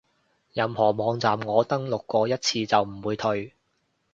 任何網站我登錄過一次就唔會退